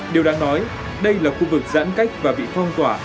điều đáng nói đây là khu vực giãn cách và bị phong tỏa